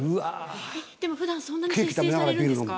でも普段はそんなに節制されるんですか？